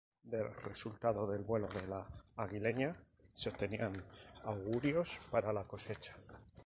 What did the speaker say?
Del resultado del vuelo de la aguileña se obtenían augurios para la cosecha.